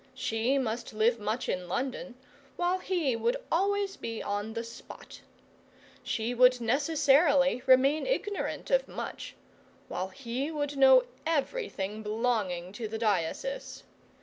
She must live much in London, while he would always be on the spot. She would necessarily remain ignorant of much while he would know everything belonging to the diocese.